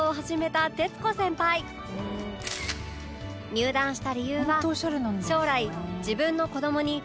入団した理由は